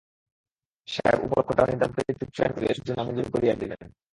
সাহেব উপলক্ষটা নিতান্তই তুচ্ছজ্ঞান করিয়া ছুটি নামঞ্জুর করিয়া দিলেন।